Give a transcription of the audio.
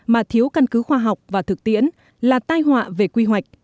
mà thiếu căn cứ khoa học và thực tiễn là tai họa về quy hoạch